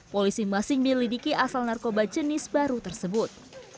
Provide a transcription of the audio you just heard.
polisi masing masing melidiki asal narkoba jenis baru tersebut